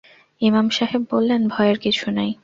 ইমাম সাহেব বললেন, ভয়ের কিছু নাই।